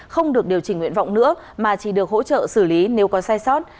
không được điều chỉnh nguyện vọng nữa mà chỉ được hỗ trợ xử lý nếu có sai sót